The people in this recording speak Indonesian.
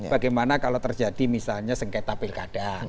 bagaimana kalau terjadi misalnya sengketa pilkada